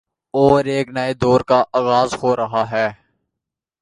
اورایک نئے دور کا آغاز ہو رہاہے۔